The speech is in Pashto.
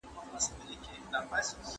زور اوبه پر لوړه ځي.